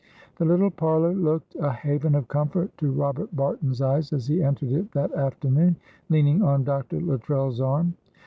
The little parlour looked a haven of comfort to Robert Barton's eyes as he entered it that afternoon, leaning on Dr. Luttrell's arm.